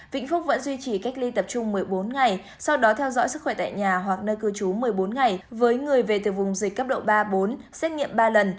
vĩnh phúc vẫn duy trì cách ly tập trung một mươi bốn ngày sau đó theo dõi sức khỏe tại nhà hoặc nơi cư trú một mươi bốn ngày với người về từ vùng dịch cấp độ ba bốn xét nghiệm ba lần